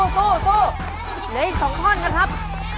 สู้เหลียวอีก๒ค่อนก่อนครับ